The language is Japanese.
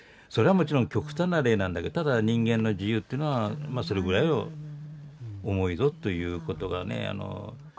それはもちろん極端な例なんだけどただ人間の自由っていうのはそれぐらい重いぞということがね。